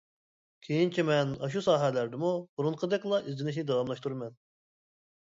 كېيىنچە مەن ئاشۇ ساھەلەردىمۇ بۇرۇنقىدەكلا ئىزدىنىشنى داۋاملاشتۇرىمەن.